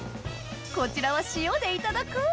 こちらは塩でいただく！